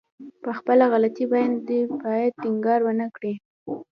په خپله غلطي باندې بايد ټينګار ونه کړي.